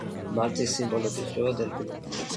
მალტის სიმბოლოდ ითვლება დელფინები.